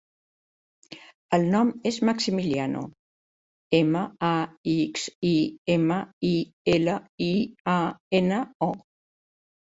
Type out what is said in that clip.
El nom és Maximiliano: ema, a, ics, i, ema, i, ela, i, a, ena, o.